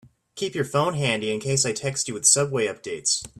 Keep your phone handy in case I text you with subway updates.